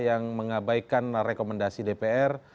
yang mengabaikan rekomendasi dpr